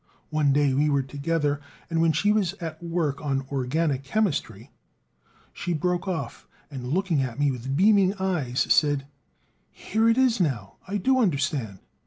One day we were together and when she was at work on organic chemistry, she broke off, and looking at me with beaming eyes, said: "Here it is now! I do understand!"